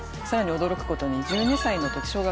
さらに驚くことに１２歳のとき。